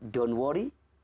jangan terlalu berharap